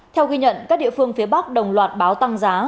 theo ghi nhận các địa phương phía bắc đồng loạt báo tăng giá